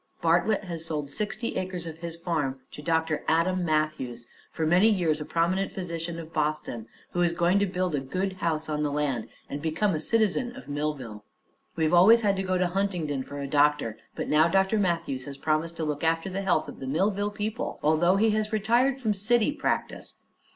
Bartlett has sold sixty acres of his farm to Dr. Adam Matthews, for many years a prominent physician of Boston, who is going to build a good house on the land and become a citizen of Millville. We've always had to go to Huntingdon for a doctor, but now Dr. Matthews has promised to look after the health of the Millville people, although he has retired from city practice.